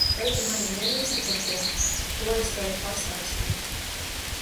Vai tu mani ienīsti par to, ko es tev pastāstīju?